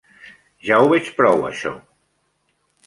Ja ho veig prou, això.